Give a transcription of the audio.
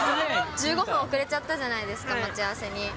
１５分遅れちゃったじゃないですか、待ち合わせに。